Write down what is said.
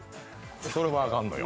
それもあかんのよ。